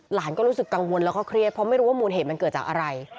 ก็รู้สึกกังวลแล้วก็เครียดเพราะไม่รู้ว่ามูลเหตุมันเกิดจากอะไร